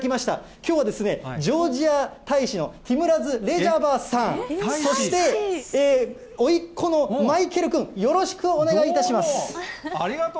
きょうはジョージア大使のティムラズ・レジャバさん、そして、おいっこのマイケル君、よろしくお願いいたします。